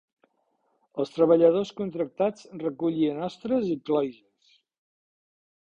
Els treballadors contractats recollien ostres i cloïsses.